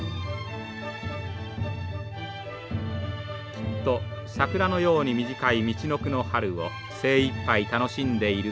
きっと桜のように短いみちのくの春を精いっぱい楽しんでいるのでしょう。